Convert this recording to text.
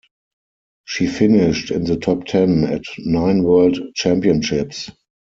She finished in the top ten at nine World Championships.